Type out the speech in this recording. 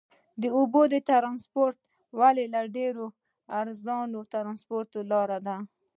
د اوبو ترانسپورت ولې ډېره ارزانه ترانسپورت لار ده؟